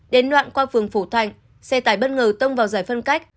đến đoạn qua phường phổ thạnh xe tải bất ngờ tông vào giải phân cách